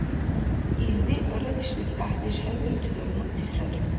Илди арадешлис гӀяхӀдеш хӀебирути дармунти сари.